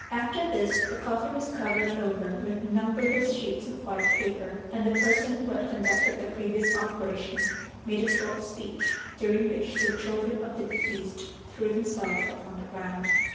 After this, the coffin was covered over with numberless sheets of white paper, and the person who had conducted the previous operation made a short speech, during which the children of the deceased threw themselves upon the ground.